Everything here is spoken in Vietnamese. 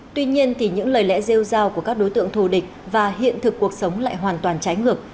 tuy nhiên thì những lời lẽ rêu giao của các đối tượng thù địch và hiện thực cuộc sống lại hoàn toàn trái ngược